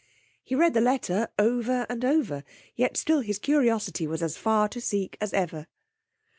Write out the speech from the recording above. He read the letter over and over, yet still his curiosity was as far to seek as ever.